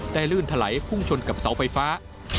ลื่นถลายพุ่งชนกับเสาไฟฟ้า